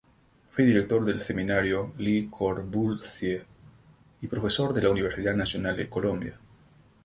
Fue director del seminario Le Corbusier y profesor de la Universidad Nacional de Colombia.